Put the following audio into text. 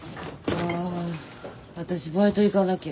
あ私バイト行かなきゃ。